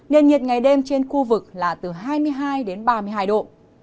nền nhiệt ngày đêm trên khu vực là từ hai mươi hai đến ba mươi hai độ